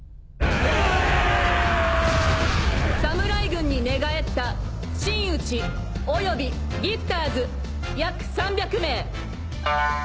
侍軍に寝返った真打ちおよびギフターズ約３００名！